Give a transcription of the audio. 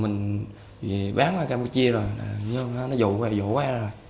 nhơn nó rủ ra